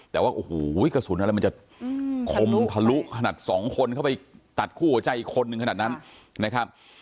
แต่ว่าโอ้โหกระสุนอะไรมันจะคมทะลุขนาดสองคนเข้าไปตัดคู่หัวใจอีกคนนึงขนาดนั้นนะครับ